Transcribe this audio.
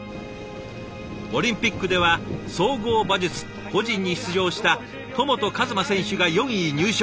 オリンピックでは総合馬術個人に出場した戸本一真選手が４位入賞。